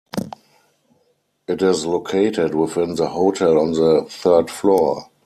It is located within the hotel on the third floor.